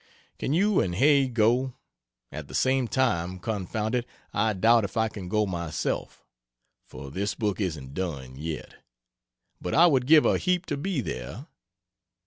Can you and Hay go? At the same time, confound it, I doubt if I can go myself, for this book isn't done yet. But I would give a heap to be there.